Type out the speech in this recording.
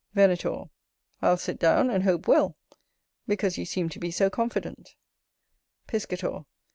Venator. I'll sit down; and hope well, because you seem to be so confident. Piscator.